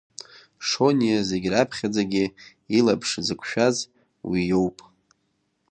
Шониа зегьы раԥхьаӡагьы илаԥш зықәшәаз уи иоуп.